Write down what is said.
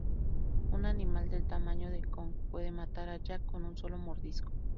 Un animal del tamaño de Kong puede matar a Jack con un solo mordisco.